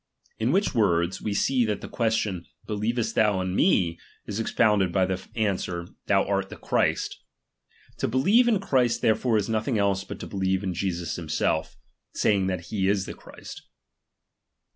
Tn which words, we see that the question, believest thou in me, is expounded by the answer, thou art the Christ. To believe in Christ therefore is nothing else but to beUeve Jesus himself, saying that he is the Christ.